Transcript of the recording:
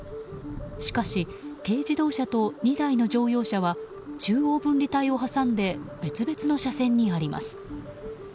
しかし軽自動車と２台の乗用車は中央分離帯を挟んで別々の車線にあります。